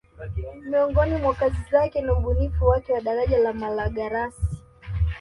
Miongoni mwa kazi zake ni ubunifu wake wa daraja la Malagarasi